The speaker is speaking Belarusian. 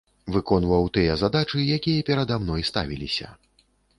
Выконваў тыя задачы, якія перада мной ставілася.